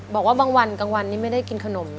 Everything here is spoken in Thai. บอกว่าบางวันกลางวันนี้ไม่ได้กินขนม